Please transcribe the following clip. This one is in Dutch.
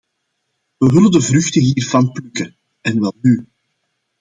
We willen de vruchten hiervan plukken, en wel nu.